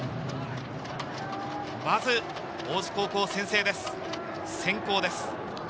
まず大津高校、先制です、先攻です。